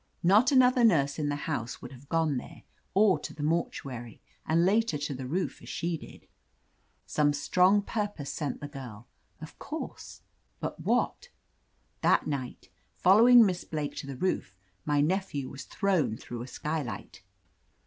Not another nurse in the house would have gone there, or to the mortuary and later to the roof, as she did. Some strong ptupose sent the girl, of course — ^but what? "That night, following Miss Blake to the roof, my nephew was thrown through a sky light.